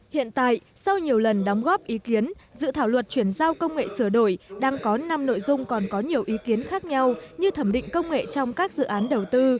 hiện tại sau nhiều lần đóng góp ý kiến dự thảo luật chuyển giao công nghệ sửa đổi đang có năm nội dung còn có nhiều ý kiến khác nhau như thẩm định công nghệ trong các dự án đầu tư